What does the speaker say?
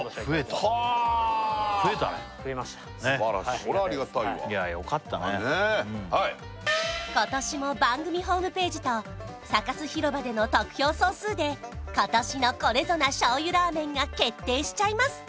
すばらしいそれはありがたいわ今年も番組ホームページとサカス広場での得票総数で今年のこれぞな醤油ラーメンが決定しちゃいます